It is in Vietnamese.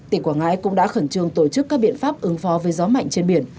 tỉnh quảng ngãi cũng đã khẩn trương tổ chức các biện pháp ứng phó với gió mạnh trên biển